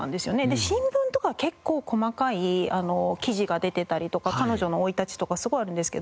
で新聞とか結構細かい記事が出てたりとか彼女の生い立ちとかすごいあるんですけど。